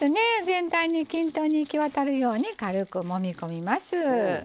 全体に均等に行き渡るように軽くもみ込みます。